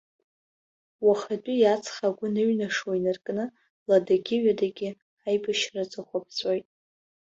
Уахатәи аҵх агәы анеиҩнашо инаркны, ладагьы-ҩадагьы аибашьра аҵыхәа ԥҵәоит.